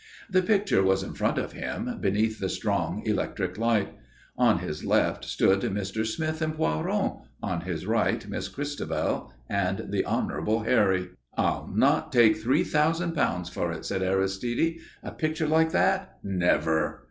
The picture was in front of him beneath the strong electric light; on his left stood Mr. Smith and Poiron, on his right Miss Christabel and the Honourable Harry. "I'll not take three thousand pounds for it," said Aristide. "A picture like that! Never!"